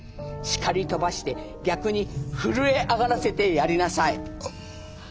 叱り飛ばして逆に震え上がらせてやりなさい。